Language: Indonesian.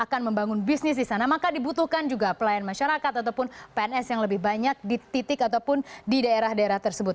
akan membangun bisnis di sana maka dibutuhkan juga pelayan masyarakat ataupun pns yang lebih banyak di titik ataupun di daerah daerah tersebut